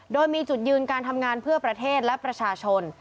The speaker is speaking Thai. โดยมีจุดยืนการทำงานเพื่อประเทศและประชาชน